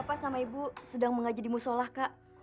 bapak sama ibu sedang mengajadi musolah kak